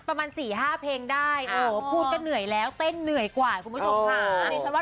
ประมาณ๔๕เพลงได้โอ้พูดก็เหนื่อยแล้วเต้นเหนื่อยกว่าคุณผู้ชมค่ะ